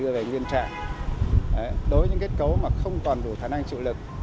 về nguyên trạng đối với những kết cấu mà không toàn đủ thả năng chịu lực